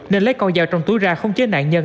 nên lấy con dao trong túi ra khống chế nạn nhân